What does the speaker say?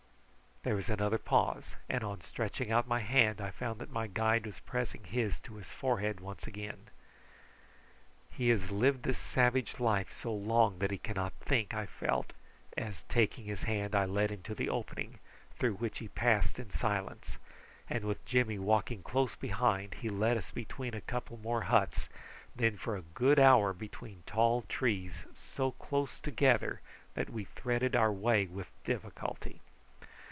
There was another pause, and on stretching out my hand I found that my guide was pressing his to his forehead once again. "He has lived this savage life so long that he cannot think," I felt as, taking his hand, I led him to the opening, through which he passed in silence, and with Jimmy walking close behind he led us between a couple more huts, and then for a good hour between tall trees so close together that we threaded our way with difficulty.